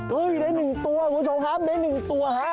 ได้หนึ่งตัวคุณผู้ชมครับได้หนึ่งตัวค่ะ